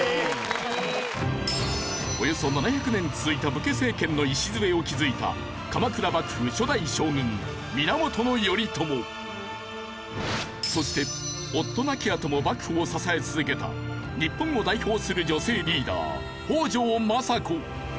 およそ７００年続いた武家政権の礎を築いたそして夫亡きあとも幕府を支え続けた日本を代表する女性リーダー北条政子。